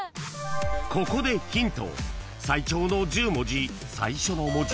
［ここでヒント］